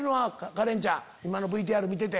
カレンちゃん今ＶＴＲ見てて。